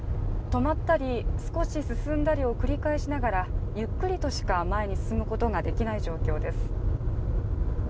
止まったり、少し進んだりを繰り返しながらゆっくりとしか前に進むことができない状況です。